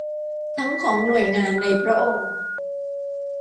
ทั้งของหน่วยงานในพระองค์